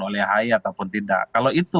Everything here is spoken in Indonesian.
oleh ahy ataupun tidak kalau itu